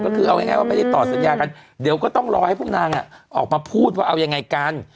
ก็คือเอาง่ายว่าไม่ได้ตอบสัญญากันเดี๋ยวก็ต้องรอให้พวกนางออกมาพูดว่าเอายังไงกัน